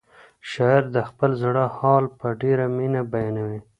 شاعر د خپل زړه حال په ډېره مینه بیانوي.